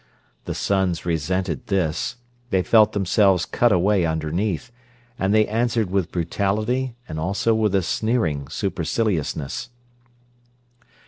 The sons resented this; they felt themselves cut away underneath, and they answered with brutality and also with a sneering superciliousness.